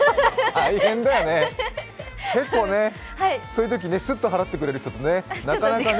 大変だよね、結構そういうとき、スッと払ってくれる人となかなかね